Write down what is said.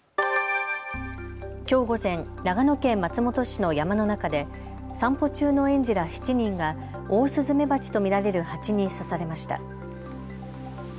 きょう午前、長野県松本市の山の中で散歩中の園児ら７人がオオスズメバチと見られるハチに刺されました。